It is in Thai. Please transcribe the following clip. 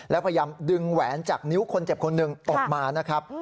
แล้วพยายามดึงแหวนจากนิ้วคนเจ็บคนหนึ่งออกมานะครับ